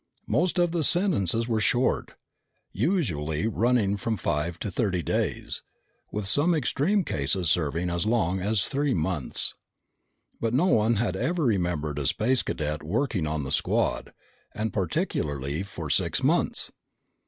Most of the sentences were short, usually running from five to thirty days, with some extreme cases serving as long as three months. But no one had ever remembered a Space Cadet working on the squad, and particularly for six months!